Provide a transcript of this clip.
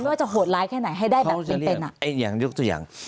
ไม่ว่าจะโหดร้ายแค่ไหนให้ได้แบบเป็นอย่างยกสุดเอง